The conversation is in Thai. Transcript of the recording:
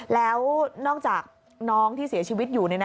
แล้วนอกจากน้องที่เสียชีวิตอยู่